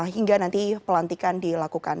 hingga nanti pelantikan dilakukan